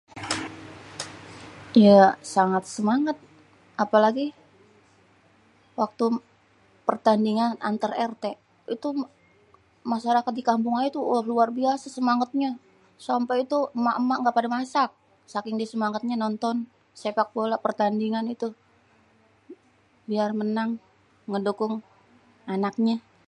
ya sangat semangat apelagi waktu pertandingan antar rt itu masarakat dikampung ayè tuh luar biasè semanget nye sampai itu èma-èma ga padè masak saking diè semangetnyè nonton sepak bola pertandingan itu biar menang mendukung anaknyè